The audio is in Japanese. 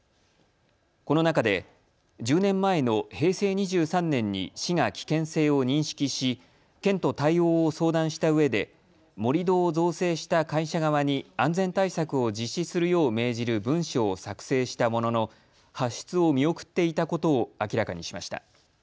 この中で１０年前の平成２３年に市が危険性を認識し県と対応を相談したうえで盛り土を造成した会社側に安全対策を実施するよう命じる文書を作成したものの発出を見送っていたことを明らかにしました。